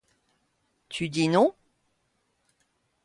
Tu dis non?